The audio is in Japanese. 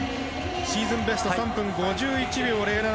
シーズンベスト３分５１秒０７の